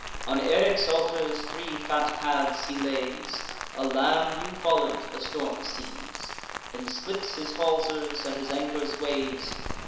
On Eryx's altars three fat calves he lays; A lamb new fallen to the stormy seas; Then slips his haulsers, and his anchors weighs.